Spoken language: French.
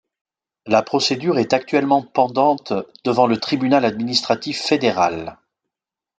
La procédure est actuellement pendante devant le Tribunal administratif fédéral.